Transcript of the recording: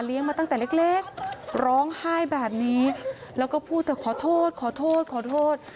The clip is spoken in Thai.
มาตั้งแต่เล็กร้องไห้แบบนี้แล้วก็พูดแต่ขอโทษขอโทษขอโทษ